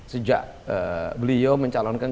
sejak beliau mencalonkan